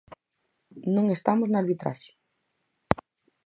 Non estamos na arbitraxe!